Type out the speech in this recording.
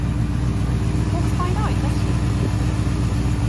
Walks by night, does she?